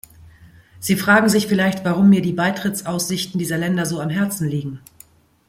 Sie fragen sich vielleicht, warum mir die Beitrittsaussichten dieser Länder so am Herzen liegen.